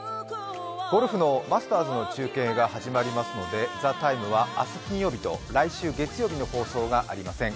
ゴルフのマスターズの中継が始まりますので「ＴＨＥＴＩＭＥ，」は明日金曜日と来週月曜日の放送はありません。